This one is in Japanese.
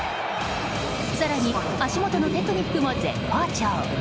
更に足もとにテクニックも絶好調。